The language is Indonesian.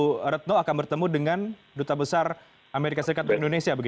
iya besok bu retno akan bertemu dengan duta besar amerika serikat di indonesia begitu